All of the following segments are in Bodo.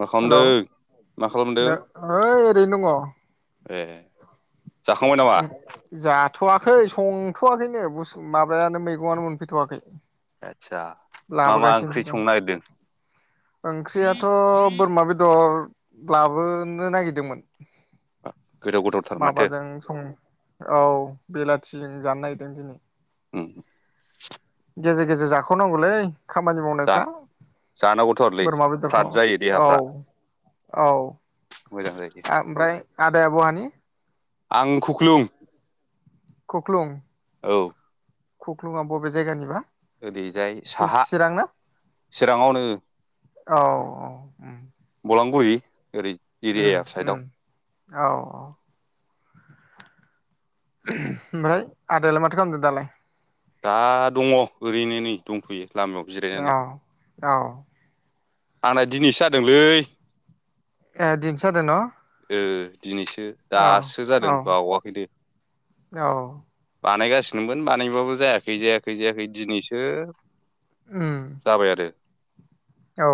मा हेलौ खालामदों मा खालामदों नो ओइ ओरैनो दङ' ए जाखांबाय नामा उम जाथ'वाखै सं थ'वाखैनो बुस माबायानो मैगंङानो मोनफैथ'वाखै आदसा मा मा ओंख्रि लाबोगासिनोसो दं संनो नागिरदों ओंख्रियाथ' बोरमा बेदर लाबोनो नागिरदोंमोन गोथाव गोथावथार माथो माबाजों सम औ बेलाथिजों जानो नागिरदों दिनै उम गेजेर गेजेर जाख'नांगौलै खामानि जा मावनायफ्रा जानांगौथारलै बोरमा फ्राद बेदरखौ जायो औ देहाफ्रा औ मोजां जायोलै ओमफ्राय आदाया बहानि? आं खुख्लुं खख्लुं। औ। खुख्लुङा बबे जायगानिबा? ओरैजाय साहा चिरां ना चिराङावनो। औ औ उम। बलांगुरि ओरै उम एरिया साइडआव उम, औ औ। [unintelligible] ओमफ्राय आदायालाय माथो खालामदो दालाय? दा दङ' ओरैनो नै दंथ'यो। लामायाव औ जिरायनानै। औ। आंना दिनैसो जादोंलै ए दिनैसो जादों न? ओ दिनैसो दासो औ जादों बावाखै दे औ बानायगा सिनोमोन बानायबाबो जायाखै जायाखै जायाखै दिनैसो उम जाबाय आरो‌। औ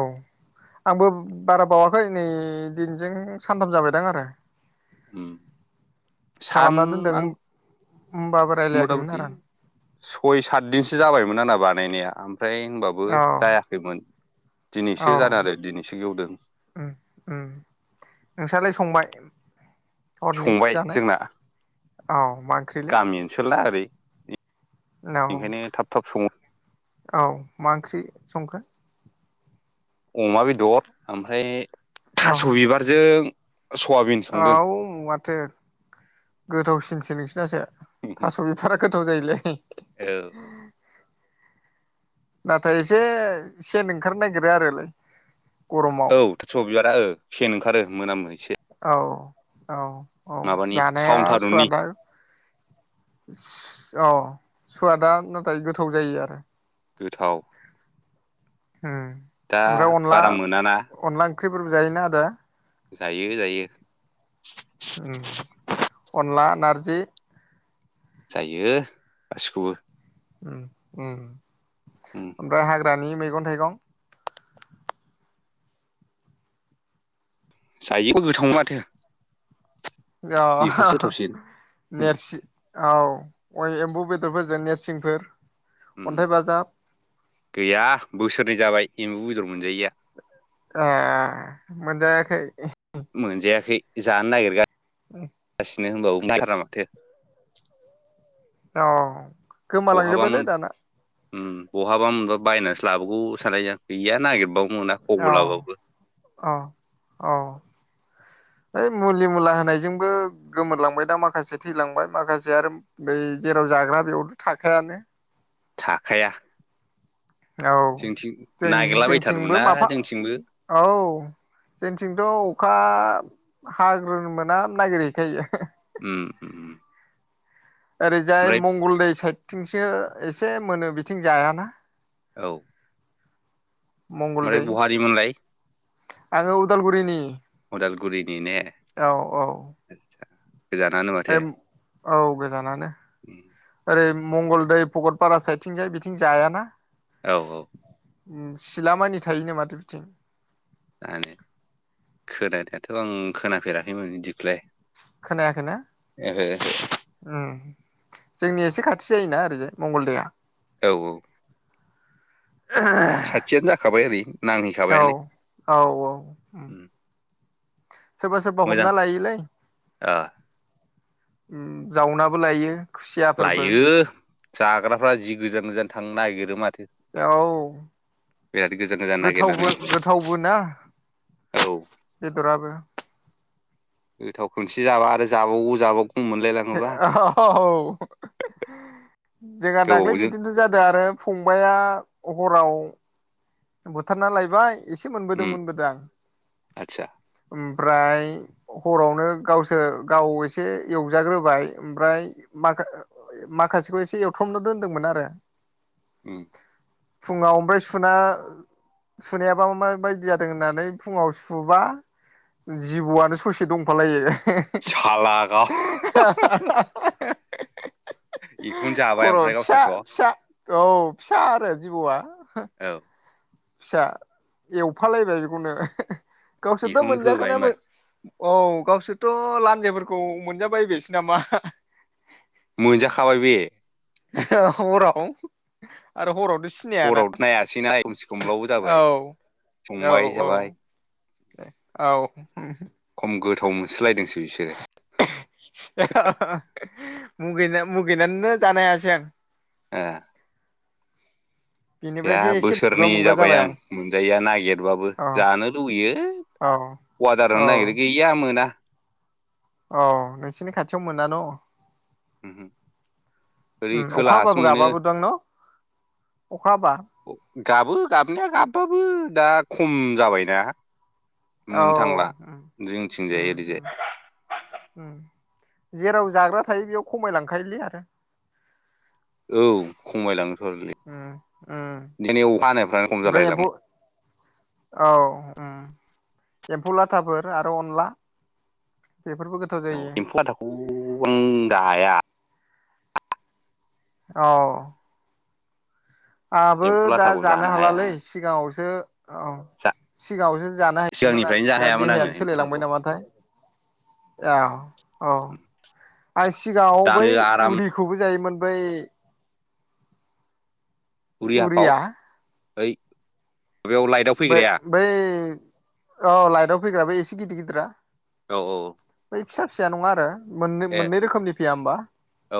आंबो बारा बावाखै नै दिनैजों सानथाम जाबायदां आरो। उम। सान खालामना दोनदों आं होमबाबो मथा रायलायाखैमोन मथि आरो सय सात दिनसो जाबायमोन आना बानायनाया ओमफ्राय होनबाबो आं जायाखैमोन औ दिनैसो जादों आरो दिनैसो गवदों। उम उम नोंस्रालाय संबाय हरनि संबाय जानाय जोंना औ मा ओंख्रिलै गामि ओनसोलला ओरै औ बेखायनो थाब थाब सङो। औ मा ओंख्रि संखो? अमा बेदर आमफ्राय औ थास' बिबारजों सयाबिन संदों औ माथो गोथावसिनसो नोंसि नायो थास' बिथ'रायख गोथाव जायोलै औ [unintelligible] नाथाय एसे सेन ओंखारनो नागिरो आरोलै गरमाव औ थास' बिबारा ओ सेन ओंखारो मोनामो एसे औ। औ - औ माबानि जानाया सावन थारुननि सुवादा औ सुवादआ नाथाय गोथाव जायो आरो गोथाव उम दा ओमफ्राय अनला बारा मोनाना अनला ओंख्रिफोरबो जायोना आदा? जयो - जायो। उम अनला नारजि जायो गासिखौबो। उ उ। ह दखनि मैगं - थाइगं जायोखौ गोथाव माथो। जा बेफोरसो थावसिन नेरसि औ एम्बु बेदरफोरजों नेरसिंफोर उम अन्थाइ बाजाब गैया बोसोरनै जाबाय एम्बु बेदर मोनजायैया ए मोनजाखै? मोनजायाखै। जानागिरगा गासिनो होनबावो [unintelligible] औ बहाबामोन गोमालांजोब्बायलै दाना उम बहाबामोनबा बायनासो लाबोगौ सानलायो आं गैया नागिरबावो औ -औ- औ हैओइ मुलि - मुला होनायजोंबो गोमोरलांबाय दा माखासे थैलांबाय माखासे आरो बै जेराव जाग्रा बेयावथ' थाखायानो थाखाया औ जोंथिं जों जोंथिंबो नागिरलाबायथारोमोनना माफा जोंथिंबो औ जोंथिंथ' अखा हाग्रोन मोना नागिरहैखायो उम उम ओरैजाय ओमफ्राय मंगलदै साइद थिंसो एसे मोनो बिथिं जायाना औ मंगल ओमफ्राय दै बहानिमोनलाय आङो उदालगुरिनि उदालगुरिनि ने [inaudible] माथो ओम औ गोजानानो ओरै मंगलदै भकतपारा साइथिंजाय बिथिं जायाना। औ औ। सिला मानि थायोनो माथो बिथिं। आ खोनानायाथ आं खोनाफेराखैमोन बिदिखौलाय। खोनाया खैना ओहो उम। जोंनि एसे खाथि जायोना ओरैजाय मंगलदैया। औ औ। खाथियानो जाखाबाय ओरै औ नांहैखाबायानो उम। सोबा सोबा हमना लायोलै। ओ उम जावनाबो लायो। खुसियाफोरबो लायो। जाग्राफ्रा जि गोजान गोजान थांनो नागिरो माथो। औ बिराद गोजान गोजान गोथावबो नागिरनानै गोथावबो ना औ बेदराबो। गोथाव खोनसे जाबा आरो जाबावगौ जाबावगौ। मोनलाय लाङोबा औ जोंहा दाख्लै गोबावजों बिदिन्थ जादों आरो। फंबाया हराव‌ बुथारना लायबाय। एसे मोनबोदों उम मोनबो दां उम। आदसा ओमफ्राय हरावनो गावसोर गाव एसे एवजाग्रोबाय ओमफ्राय माख माखासेखौ एसे एवथ्रमनो दोनदोंमोन आरो। ओम। फुङाव ओमफ्राय सुना। सुनायाबा माबायदि जादों होननानै फुङाव सुबा जिबौआनो ससे दंफालायो। साला [unintelligible] [inaudible] [unintelligible] खर' फिसा गावस्राथ' फिसा औ। फिसा आरो जिबौआ। औ। फिसा एवफालायबाय बेखौनो। [unintelligible] गावसोरथ' बेखौनो मोनजाखोन होबाय होमबा ना औ गावसोरथ' लान। [unintelligible] फोरखौ मोनजाबाय बेसो नामा। मोनजाखाबाय बे। [unintelligible] हराव आरो हराव। हराव नायासैना खोमसे खोमलावबो औ जाबाय औ संबाय औ जाबाय। औ ओम। थाव मोनसोलायदोंसै बिसोरो [unintelligible] मुगैनानैनो जानो हायासै आं ओ गैया बेनिफ्रायसो एसे बोरैबा बोसोरनै मोनग्रा जाबाय आं मोनजाया नागिरबाबो औ जानो लुुबैयो औ औ अवाडारनो नागिरो गैया मोना औ नोंसोरनि खाथियाव मोना न' [unintelligible] ओरै उम अखा खोलाहासो हाबाबो मोनो गाबाबोदां न' अखा हाबा [unintelligible] गाबो गाबनाया गाबो [unintelligible] दा खम जाबायना औ मोननो थांला जोंथिंजाय ओरैजाय [inaudible] जेराव जाग्रा थायो बेयाव खमायलांखायोलै आदा औ खमायलांङो उम दिनै अखा हानायफ्रानो खम ओमफ्राय जालाय एम्फौ लांङो औ ओम एम्फौ लाथाफोर आरो अनला बेफोरबो गोथाव जायो दाया औ आंहाबो एम्फौ दा लाथाखौ जानो हाया हालालै आङो सिगाङावसो औ जा सिगांङावसो जानो हायोमोन आं सिगांनिफ्रायनो जा दा हायामोन आङो देहायानो एम्फौ सोलायलांबाय लाथाखौ नामाथाय ए औ औ आरो सिगांङाव दानो बै आराम उरिखौबो जायोमोन बै उरि हाफाव उरिया ओइ माबायाव लाइटआव फैग्राया बे-बै औ लाइटआव फैग्रा बै एसे सि गिदिर गिदिरा औ औ बै फिसा फिसाया नंङा आरो मोननै ए मोननै रोखोमनि फैया होमबा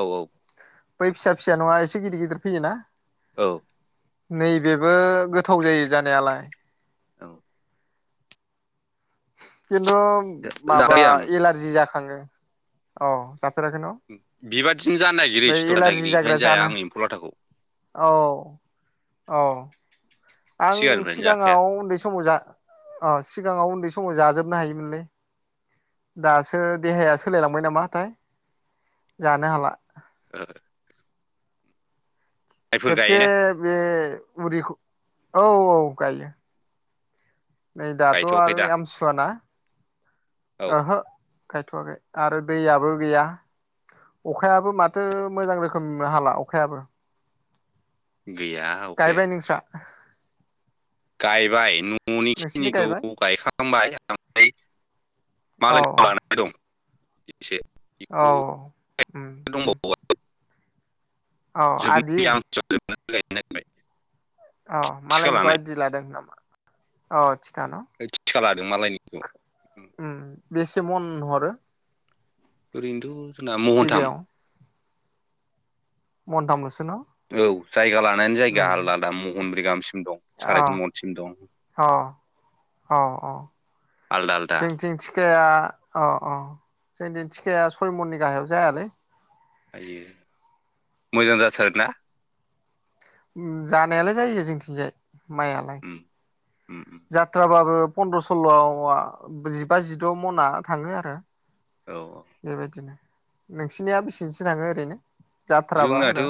औ औ बै फिसा फिसाया नंङा एसे गिदिर गिदिर फैयोना औ नैबेबो गोथाव जायो जानायालाय [unintelligible] औ खिन्थु माबा जाबाय आं एलारजि जाखो खांङो अ बेबादिनो जानो नागिरो बै सिथर जानो एलारजि नागिरो जाग्रा ओंखायनो जाया जानो आङो एम्फौ लाथाखौ औ औ आं सिगांनिफ्रायनो जाखाया सिगाङाव उन्दै समाव जा अ सिगाङाव उन्दै स समाव जाजोबनो हायोमोनलै दासो देहाया सोलायलांबाय नामाथाय जानो हाला ओ खेबसे गायोना बे मुरिखौ औ औ गायो नै दाथ गायथ'वाखै आरो दा आमथिसुवाना औ ओहो गायथवाखै आरो दैयाबो गैया अखायाबो माथो मोजां रोखोम हाला अखायाबो गैया अखाया गायबाय [inaudible] गायबाय न ननि नोंसिनि खिनिखौ गायबाय गायखांबाय ओमफ्राय औ मालायनाव लानाय दं एसे औ बेखौ उम उम दंबावो औ आदि जोबनाय [unintelligible] अ थिखा मालायनिखौ लानाय आदि लादों नामा अ थिखा लादों मालायनिखौ उम उम बेसे मन हरो ओरैनोथ महनथाम बिगायाव महनथाम लस सो न औ जायगा ला नानै जायगा उम आलदा आलदा महनब्रै गामसिम दं अ साराय तिन मनसिम दं अ अ अ आलदा आलदा जोंथिं थिखाया अ अ जोंनि थिखाया सय मननि गाहायाव जायालै आयो मोजां जाथारो ना उम जानायालाय जायो जोंथिंजाय माइआलाय उम उम उम जाथ्राबाबो पन्द्र सल्लआ जिबा जिद मना थाङो आरो औ बेबायदिनो नोंसिनिया बेसेसो थाङो ओरैनो जाथ्राबा जोंनाथ आरो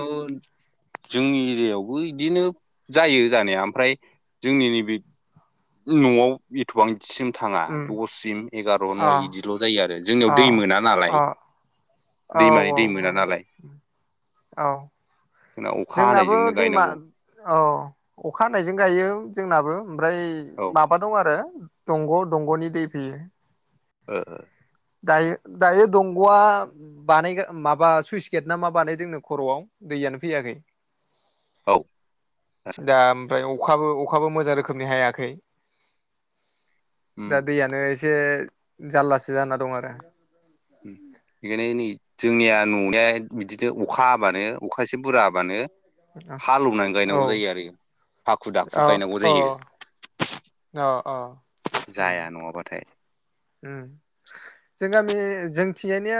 जोंनि एरियायाव बिदिनो जायो जानाया ओमफ्राय जोंनि नैबे नआव एथबां सिम थाङा उम दससिम एगार अ नय बिदिल जायो आरो जोंनियाव अ दै मोना अ नालाय औ दैमानि औ दै औ मोना नालाय औ ‌। जोंना अखा जोंनाबो हानायजोंनो दैमा गायनांगौ औ अखा हानायजों गायो जोंनाबो ओमफ्राय औ ओ माबा दं आरो दंग दंगनि दै फैयो। ओ ओ। दायो दायो दंगआ बानाय माबा सुइस गेना मा बानायदों नों खरआव दैखांनो फैयाखै। औ। आसा दा ओमफ्राय अखाबो अखाबो मोजां रोखोमनि हायाखै उम दा दैयानो एसे जारलासो जाना दं आरो। बिनिया नै जोंनिया ननिया बिदिनो अखा हाबानो अखा एसे बुरजा हाबानो हालौवनानै औ गायनांगौ जायो आरो हाखु दाखु अ गायनांगौ अ जायो अ अ उम जाया नङाबाथाय। उम जों गामि जों थिंजायनिया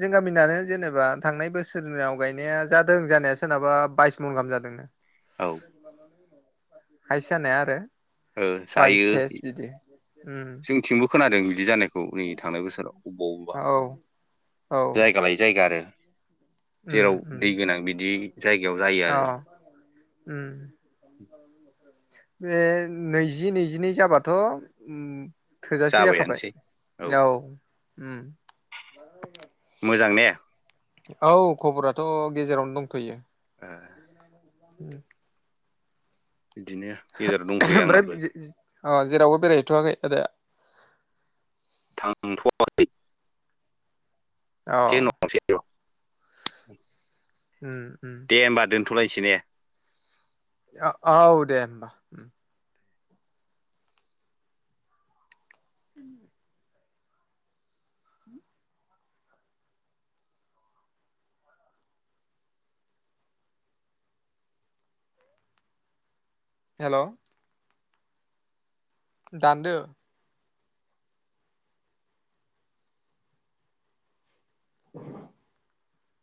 जों गामिनानो जेनेबा थांनाय बोसोराव गायनाया जादों जानाया सोरनाबा बायस मन गाहाम जादोंनो। औ [unintelligible] हायस जानाया आरो। ओ बाइस जायो तेइस बिदि उम जोंनिथिंबो खोनादों बिदि जानायखौ नै थांनाय बोसोराव बबावबा औ औ जायगा लायै जायगा आरो। उम जेराव उम दै गोनां बिदि जायगायाव जायो आरो। अ उम बे नैजि नैजिनै जाबाथ' ओम थोजासे जाखाबाय जाबायानोसै औ ‌। उम। मोजां ने? औ खबराथ' गेजेरावनो दंथ'यो। ओ [inaudible] [inaudible] बिदिनो गेजेराव दंथ'यो ओमफ्राय आंनाबो ‌। अ जेरावबो बेरायहैथ'वाखै आदाया? थांथ'वाखै। अ [unintelligible] [unintelligible] उम उम दे ओमबा दोनथ'लाय सि ने? ओ औ दे होनबा [unintelligible] [unintelligible] हेल' दानदो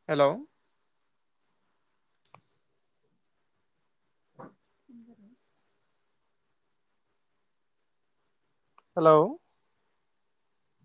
हेल' [unintelligible] हेल'